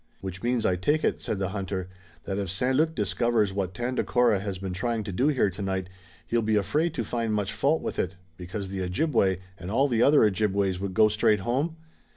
"Which means, I take it," said the hunter, "that if St. Luc discovers what Tandakora has been trying to do here tonight he'll be afraid to find much fault with it, because the Ojibway and all the other Ojibways would go straight home?"